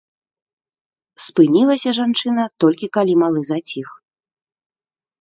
Спынілася жанчына толькі калі малы заціх.